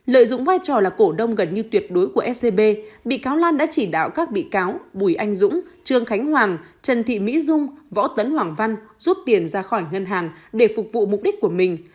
lợi dụng vai trò là cổ đông gần như tuyệt đối của scb bị cáo lan đã chỉ đạo các bị cáo bùi anh dũng trương khánh hoàng trần thị mỹ dung võ tấn hoàng văn rút tiền ra khỏi ngân hàng để phục vụ mục đích của mình